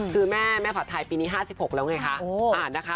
คือแม่ผัดไทยปีนี้๕๖แล้วไงคะ